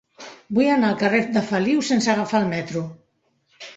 Vull anar al carrer de Feliu sense agafar el metro.